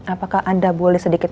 apakah anda boleh sedikit